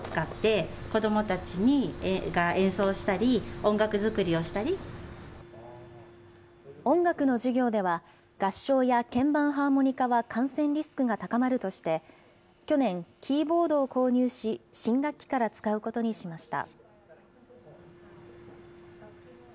音楽の授業では、合唱や鍵盤ハーモニカは感染リスクが高まるとして、去年、キーボードを購入し、新学期から使うことにしました。